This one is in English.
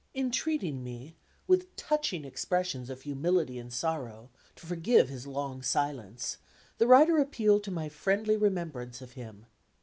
Entreating me, with touching expressions of humility and sorrow, to forgive his long silence, the writer appealed to my friendly remembrance of him.